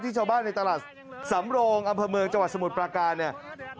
ชาวบ้านในตลาดสำโรงอำเภอเมืองจังหวัดสมุทรปราการเนี่ย